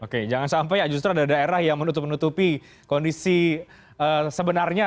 oke jangan sampai justru ada daerah yang menutup menutupi kondisi sebenarnya